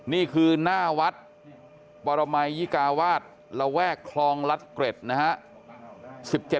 นี่คือหน้าวัดปรมัยยิกาวาสระแวกคลองรัฐเกร็ดนะฮะ